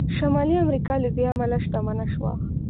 شمالي امریکا له دې امله شتمنه شوه.